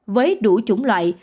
với đủ chủng loại